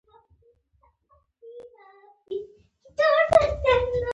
که فشار په پوره اندازه ډیر شي.